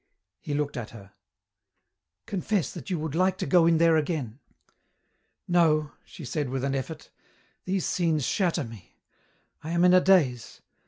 He looked at her. "Confess that you would like to go in there again." "No," she said with an effort. "These scenes shatter me. I am in a daze.